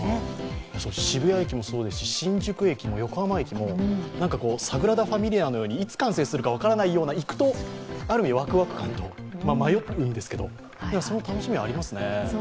渋谷駅もそうですし、新宿駅も横浜駅も、サグラダ・ファミリアのように、いつ完成するか分からないように行くとある意味わくわく感と迷うんですけど、その楽しみはありますね。